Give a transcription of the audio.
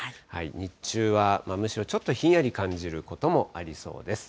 日中はむしろ、ちょっとひんやり感じることもありそうです。